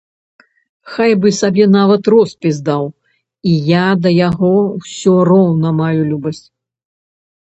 Хай бы сабе нават роспіс даў, і я да яго ўсё роўна маю любасць.